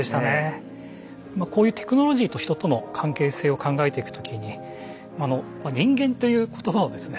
まあこういうテクノロジーと人との関係性を考えていく時に人間という言葉をですね